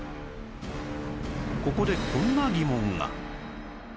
ここでこんな疑問が